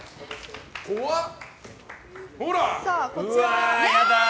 怖っ。